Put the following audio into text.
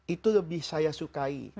itu lebih saya sukai